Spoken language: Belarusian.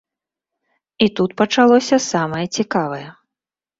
І тут пачалося самае цікавае.